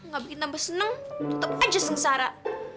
ga bikin tambah seneng tetep aja sengsara